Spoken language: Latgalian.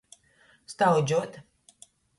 Staudžuot.